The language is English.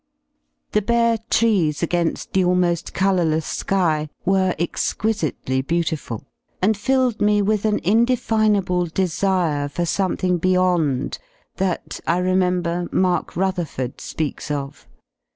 The bare trees again^ the almoA colourless sky were exquisitely beautiful, and filled me with an indefinable desire for something beyond ^ that, I remember, Mark Rutherford speaks of.